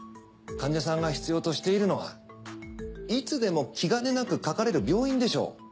患者さんが必要としているのはいつでも気兼ねなくかかれる病院でしょ？